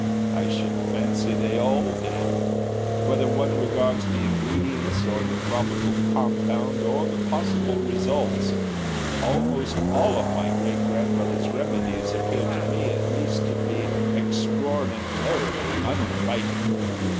I should fancy they all did. Whether one regards the ingredients or the probable compound or the possible results, almost all of my great grandmother's remedies appear to me at least to be extraordinarily uninviting.